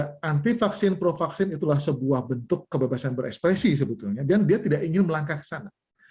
karena anti vaksin provaksin itulah sebuah bentuk kebebasan berekspresi sebetulnya dan dia tidak ingin melangkah ke sana